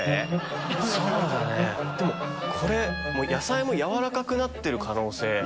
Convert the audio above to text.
でもこれ野菜も軟らかくなってる可能性。